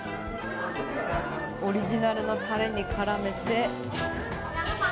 オリジナルのタレに絡めて。